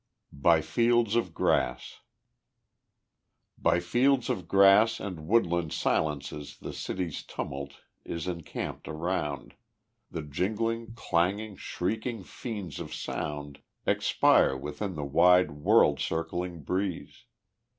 By Fields of Grass By fields of grass and woodland silences The city's tumult is encamped around; The jingling, clanging, shrieking fiends of sound Expire within the wide world circling breeze.